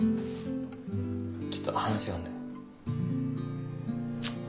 ちょっと話があんだよ。